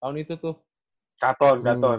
tahun itu tuh katon katon